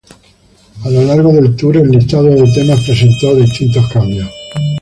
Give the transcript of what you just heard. A lo largo del Tour, el listado de temas presentó distintos cambios.